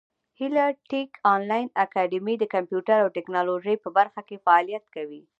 هیله ټېک انلاین اکاډمي د کامپیوټر او ټبکنالوژۍ په برخه کې فعالیت کوي.